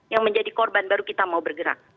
yang menjadi korban baru kita mau bergerak